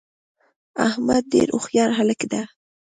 احمدډیرهوښیارهلک ده